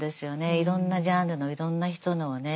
いろんなジャンルのいろんな人のをね。